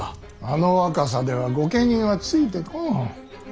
あの若さでは御家人はついてこん。